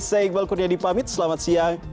saya iqbal kurnia dipamit selamat siang